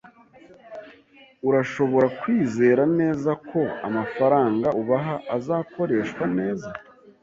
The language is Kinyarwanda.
Urashobora kwizera neza ko amafaranga ubaha azakoreshwa neza.